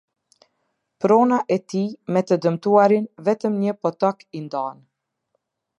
Prona e tij me të dëmtuarin vetëm një potok i ndan.